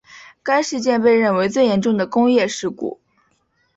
该事件被认为最严重的工业事故。